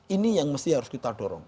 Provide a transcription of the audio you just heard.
ini yang mesti harus kita dorong